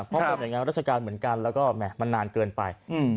เพราะผมอย่างงี้รัฐกาลเหมือนกันแล้วก็มันนานเกินไป